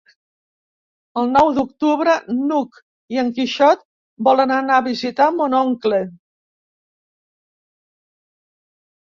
El nou d'octubre n'Hug i en Quixot volen anar a visitar mon oncle.